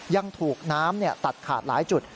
ยังถูกน้ำตัดขาดหลายจุด